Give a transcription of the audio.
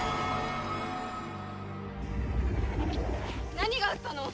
何があったの！？